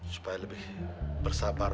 supaya lebih bersabar